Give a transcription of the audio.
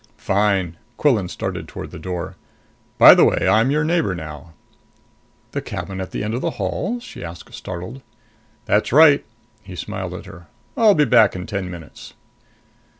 "Fine." Quillan started toward the door. "By the way, I'm your neighbor now." "The cabin at the end of the hall?" she asked startled. "That's right." He smiled at her. "I'll be back in ten minutes."